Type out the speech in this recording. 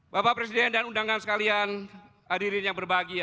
bapak presiden dan undangan sekalian hadirin yang berbahagia